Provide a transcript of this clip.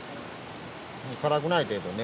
辛くない程度ね。